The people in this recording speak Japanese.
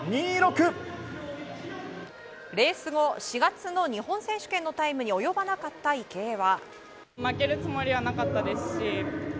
レース後、４月の日本選手権のタイムに及ばなかった池江は。